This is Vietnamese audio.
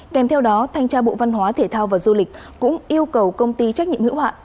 kèm theo đó thanh tra bộ văn hóa thể thao và du lịch cũng yêu cầu công ty trách nhiệm hữu hạn